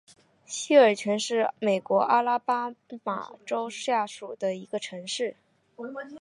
西尔泉是美国阿拉巴马州下属的一座城市。